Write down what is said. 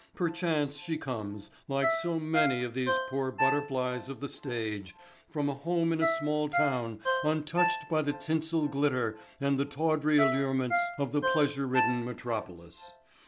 Perchance she comes, like so many of these poor butterflies of the stage, from a home in a small town untouched by the tinsel glitter and the tawdry allurements of the pleasure ridden metropolis.